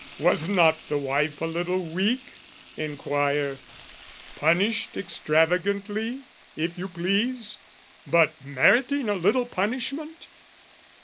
"Was not the wife a little weak?" inquire "Punished extravagantly, if you please, "But meriting a little punishment?